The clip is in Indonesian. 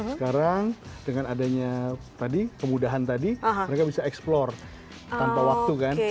sekarang dengan adanya kemudahan tadi mereka bisa eksplore tanpa waktu kan